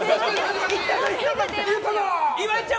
岩井ちゃん